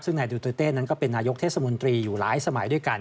ซึ่งนายดูเตอร์เต้นั้นก็เป็นนายกเทศมนตรีอยู่หลายสมัยด้วยกัน